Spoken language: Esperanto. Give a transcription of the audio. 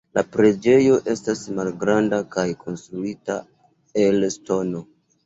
La preĝejo estas malgranda kaj konstruita el ŝtono.